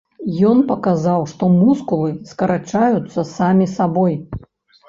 Ён паказаў, што мускулы скарачаюцца самі сабой.